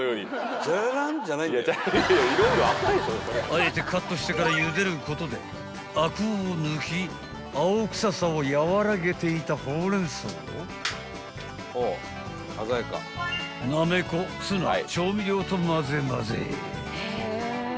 ［あえてカットしてからゆでることであくを抜き青臭さを和らげていたホウレンソウをなめこツナ調味料とまぜまぜ］